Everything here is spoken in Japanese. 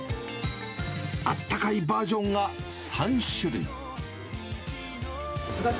あったかいバージョンが３種類。